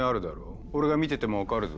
俺が見てても分かるぞ。